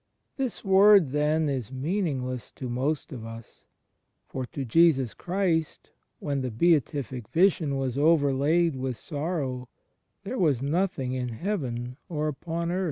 This Word, then, is meaningless to most of us; for to Jesus Christ, when the Beatific Vision was overlaid with sorrow, there was nothing in Heaven or upon earth.